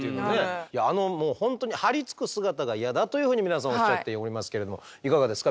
あのもう本当に張り付く姿がイヤだというふうに皆さんおっしゃっておりますけれどもいかがですか？